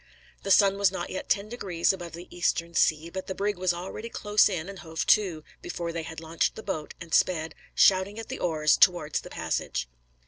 The sun was not yet ten degrees above the eastern sea, but the brig was already close in and hove to, before they had launched the boat and sped, shouting at the oars, towards the passage.